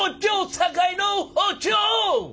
堺の包丁。